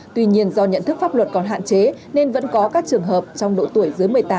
tuy nhiên do nhận thức pháp luật còn hạn chế nên vẫn có các trường hợp trong độ tuổi dưới một mươi tám